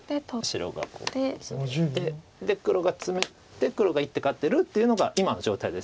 白がツメて黒がツメて黒が１手勝ってるっていうのが今の状態です。